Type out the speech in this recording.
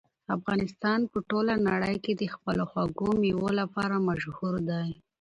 افغانستان په ټوله نړۍ کې د خپلو خوږو مېوو لپاره مشهور دی.